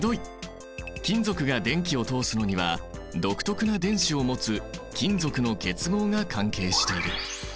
金属が電気を通すのには独特な電子を持つ金属の結合が関係している。